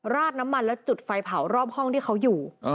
ราดน้ำมันแล้วจุดไฟเผารอบห้องที่เขาอยู่